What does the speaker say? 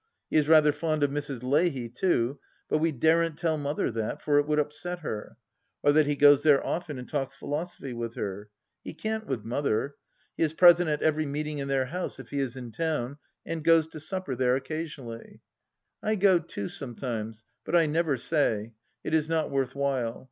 He is rather fond of Mrs. Leahy, too, but we daren't tell Mother that, for it would upset her. Or that he goes there often, and talks philosophy with her. He can't with Mother. He is present at every meeting in their house if he is in town, and goes to supper there occasionally. I go too sometimes, but I never say ; it is not worth while.